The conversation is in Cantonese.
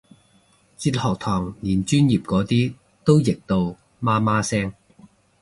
哲學堂連專業嗰啲都譯到媽媽聲